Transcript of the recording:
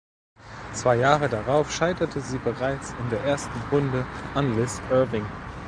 Zwei Jahre darauf scheiterte sie bereits in der ersten Runde an Liz Irving.